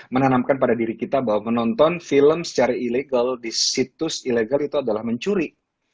menanamkan pada diri kita bahwa menonton film secara ilegal di situs ilegal itu adalah mencuri